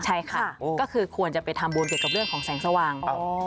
ใช่ค่ะก็คือควรจะไปทำบุญเกี่ยวกับเรื่องของแสงสว่าง